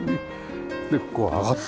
でここ上がって。